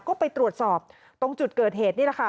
ก็ไปตรวจสอบตรงจุดเกิดเหตุนี่แหละค่ะ